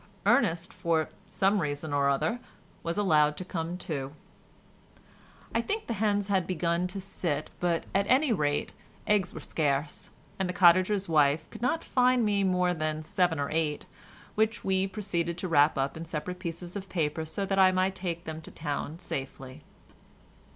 Ernest, for some reason or other, was allowed to come too. I think the hens had begun to sit, but at any rate eggs were scarce, and the cottager's wife could not find me more than seven or eight, which we proceeded to wrap up in separate pieces of paper so that I might take them to town safely.